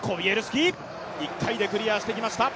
１回でクリアしてきました。